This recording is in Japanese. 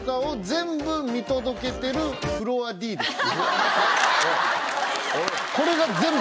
全部を見てるフロアＤです。